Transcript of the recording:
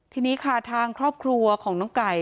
ทีนี้ค่ะทางครอบครัวของน้องไก่